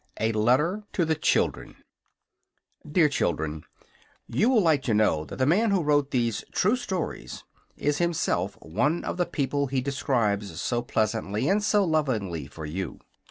A LETTER TO THE CHILDREN DEAR CHILDREN: You will like to know that the man who wrote these true stories is himself one of the people he describes so pleasantly and so lovingly for you.